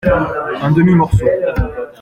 Un demi-morceau.